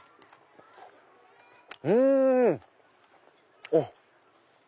うん！おっ！